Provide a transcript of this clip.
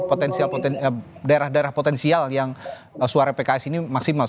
potensial potensi daerah daerah potensial yang suara pks ini maksimal